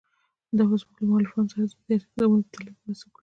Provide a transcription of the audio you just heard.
دا به زموږ له مؤلفانو سره د درسي کتابونو په تالیف کې مرسته وکړي.